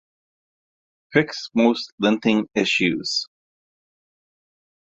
Fix most linting issues